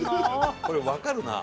これわかるなあ。